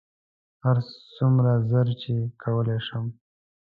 هرڅومره ژر چې کولی شم.